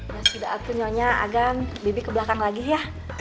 ya sudah atu nyonya agan bibi ke belakang lagi ya